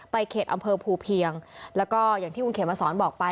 เขตอำเภอภูเพียงแล้วก็อย่างที่คุณเขมสอนบอกไป